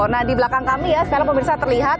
nah di belakang kami ya sekarang pemirsa terlihat